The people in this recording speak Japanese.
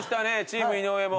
チーム井上も。